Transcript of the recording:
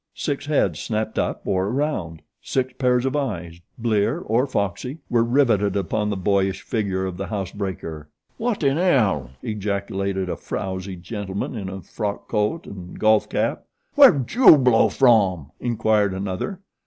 Six heads snapped up or around. Six pairs of eyes, blear or foxy, were riveted upon the boyish figure of the housebreaker. "Wotinel!" ejaculated a frowzy gentleman in a frock coat and golf cap. "Wheredju blow from?" inquired another.